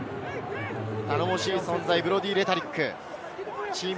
頼もしい存在、ブロディー・レタリック。